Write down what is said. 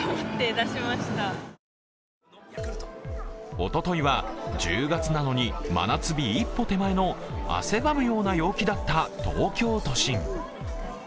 おとといは、１０月なのに真夏日一歩手前の汗ばむような陽気だった東京都心